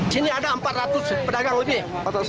sini ada empat ratus pedagang lebih